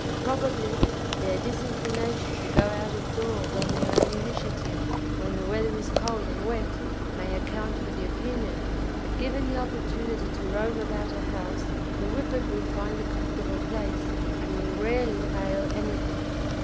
Probably their disinclination to go out of doors on their own initiative when the weather is cold and wet may account for the opinion, but given the opportunity to roam about a house the Whippet will find a comfortable place, and will rarely ail anything.